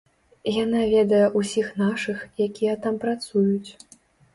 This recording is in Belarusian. Яна ведае ўсіх нашых, якія там працуюць.